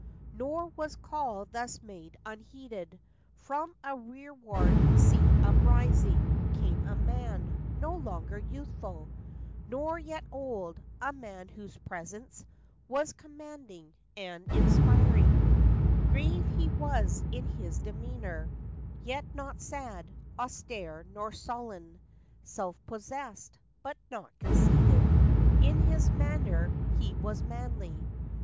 " Nor was call thus made unheeded. From a rearward seat uprising Came a man, no longer youthful, Nor yet old, a man whose presence Was commanding and inspiring; 70 FACTS AND FANCIES. Grave he was in his demeanor, Yet not sad, austere, nor sullen; Self possessed, but not conceited; In his manner he was manly.